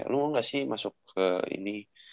lu mau gak sih masuk ke ini